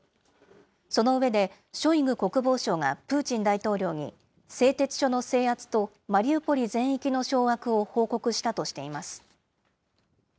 その上で、ショイグ国防相がプーチン大統領に製鉄所の制圧とマリウポリ全域の掌握を報告したとしています。